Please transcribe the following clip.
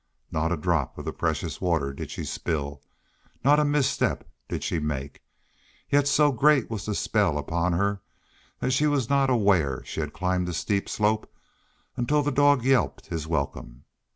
Not a drop of the precious water did she spill. Not a misstep did she make. Yet so great was the spell upon her that she was not aware she had climbed the steep slope until the dog yelped his welcome.